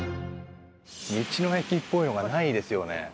道の駅っぽいのがないですよね。